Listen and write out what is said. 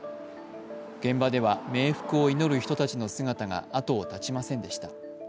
現場では冥福を祈る人たちの姿が後を絶ちませんでした。